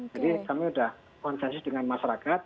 jadi kami sudah konsensus dengan masyarakat